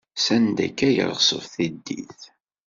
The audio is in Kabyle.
Sanda akka ay yeɣṣeb tiddit?